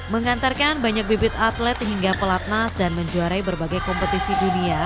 mengantarkan banyak bibit atlet hingga pelatnas dan menjuarai berbagai kompetisi dunia